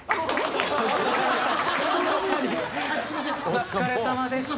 お疲れさまでした。